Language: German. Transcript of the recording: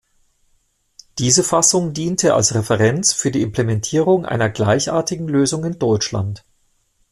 Diese Fassung diente als Referenz für die Implementierung einer gleichartigen Lösung in Deutschland.